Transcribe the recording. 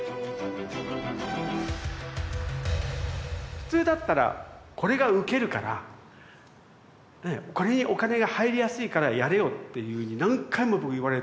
普通だったらこれがウケるからこれにお金が入りやすいからやれよっていうふうに何回も僕言われて。